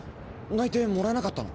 内定もらえなかったの？